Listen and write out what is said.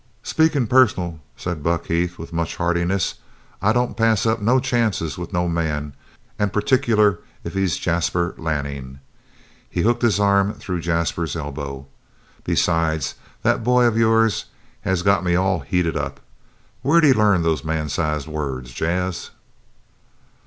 "Speakin' personal," said Buck Heath with much heartiness, "I don't pass up no chances with no man, and particular if he's Jasper Lanning." He hooked his arm through Jasper's elbow. "Besides, that boy of yours has got me all heated up. Where'd he learn them man sized words, Jas?"